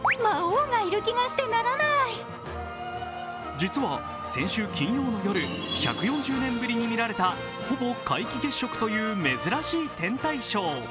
実は先週金曜の夜、１４０年ぶりに見られたほぼ皆既月食という珍しい天体ショー。